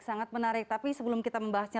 sangat menarik tapi sebelum kita membahasnya